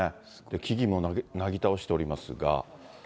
木々もなぎ倒しておりますが。